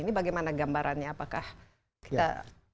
ini bagaimana gambarannya apakah kita bisa dijamin